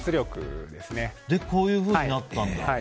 で、こういうふうになったんだ。